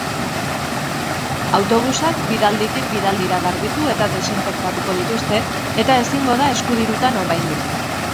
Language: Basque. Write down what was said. Autobusak bidalditik bidaldira garbitu eta desinfektatuko dituzte, eta ezingo da eskudirutan ordaindu.